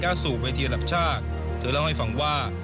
กล้าสูบเวทีอันดับชาติเธอเล่าให้ฟังว่า